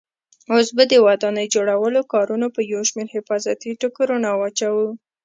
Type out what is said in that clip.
اوس به د ودانۍ جوړولو کارونو په یو شمېر حفاظتي ټکو رڼا واچوو.